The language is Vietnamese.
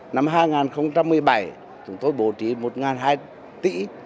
năm hai nghìn một mươi bảy chúng tôi bổ trì một hai trăm linh tỷ